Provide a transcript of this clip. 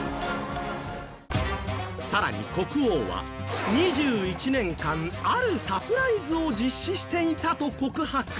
更に国王は２１年間、あるサプライズを実施していたと告白。